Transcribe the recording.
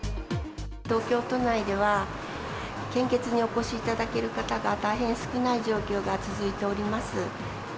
東京都内では、献血にお越しいただける方が大変少ない状況が続いております。